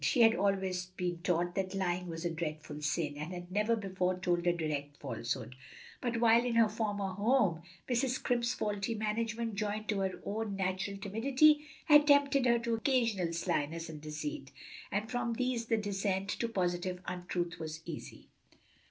She had always been taught that lying was a dreadful sin, and had never before told a direct falsehood; but while in her former home, Mrs. Scrimp's faulty management, joined to her own natural timidity, had tempted her to occasional slyness and deceit, and from these the descent to positive untruth was easy.